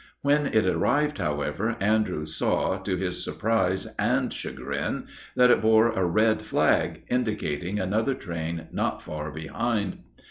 When it arrived, however, Andrews saw, to his surprise and chagrin, that it bore a red flag, indicating another train not far behind.